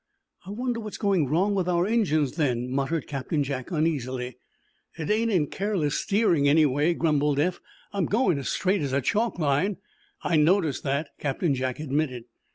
"I wonder what's going wrong with our engines, then," muttered Captain Jack, uneasily. "It ain't in careless steering, anyway," grumbled Eph. "I'm going as straight as a chalk line." "I noticed that," Captain Jack admitted.